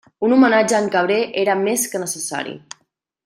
Un homenatge a en Cabré era més que necessari.